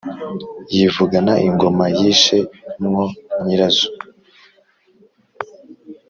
yivugana ingoma yishe mwo nyirazo,